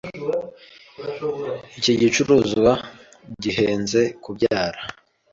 Iki gicuruzwa gihenze kubyara.